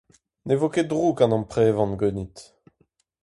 Ne vo ket drouk an amprevan ganit.